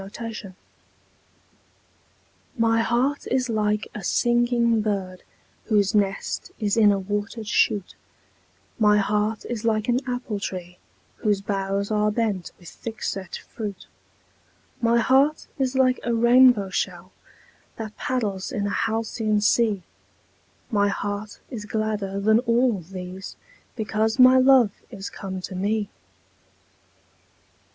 A BIRTHDAY. My heart is like a singing bird Whose nest is in a watered shoot; My heart is like an apple tree Whose boughs are bent with thick set fruit; My heart is like a rainbow shell That paddles in a halcyon sea; My heart is gladder than all these Because my love is come to me.